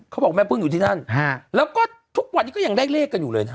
บอกแม่พึ่งอยู่ที่นั่นแล้วก็ทุกวันนี้ก็ยังได้เลขกันอยู่เลยนะ